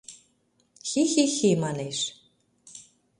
Хи-хи-хи! — манеш.